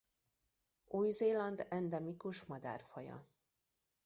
Új-Zéland endemikus madárfaja.